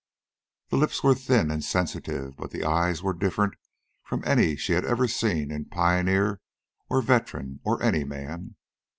The lips were thin and sensitive; but the eyes were different from any she had ever seen in pioneer or veteran or any man.